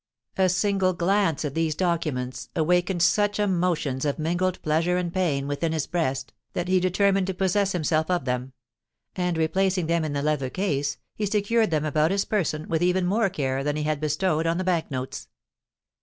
A single glance at these documents awakened such emotions of mingled pleasure and pain within his breast, that he determined to possess himself of them; and replacing them in the leather case, he secured them about his person with even more care than he had bestowed on the Bank notes.